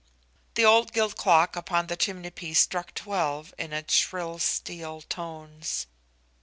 The old gilt clock upon the chimney piece struck twelve in its shrill steel tones.